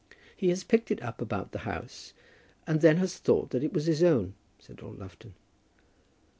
"He has picked it up about the house, and then has thought that it was his own," said Lord Lufton.